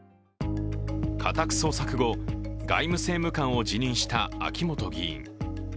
家宅捜索後、外務政務官を辞任した秋本議員。